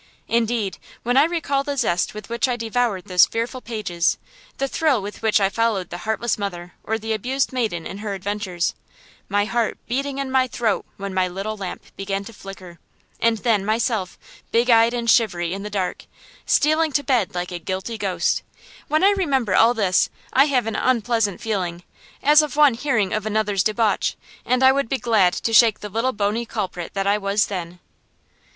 Indeed, when I recall the zest with which I devoured those fearful pages, the thrill with which I followed the heartless mother or the abused maiden in her adventures, my heart beating in my throat when my little lamp began to flicker; and then, myself, big eyed and shivery in the dark, stealing to bed like a guilty ghost, when I remember all this, I have an unpleasant feeling, as of one hearing of another's debauch; and I would be glad to shake the little bony culprit that I was then.